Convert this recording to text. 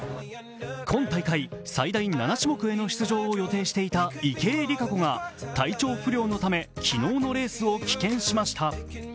今大会、最大７種目への出場を予定していた池江璃花子が体調不良のため昨日のレースを棄権しました。